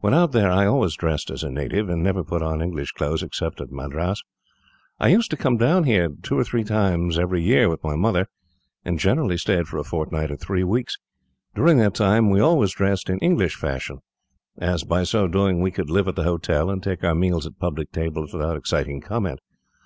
When out there I always dressed as a native, and never put on English clothes, except at Madras. I used to come down here two or three times every year, with my mother, and generally stayed for a fortnight or three weeks. During that time, we always dressed in English fashion, as by so doing we could live at the hotel, and take our meals at public tables without exciting comment.